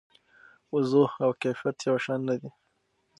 وضوح او کیفیت یو شان نه دي.